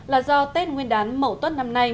là do tết nguyên đán mẫu tuất năm nay